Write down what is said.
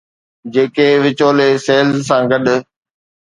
جيڪي وچولي سيلز سان گڏ؟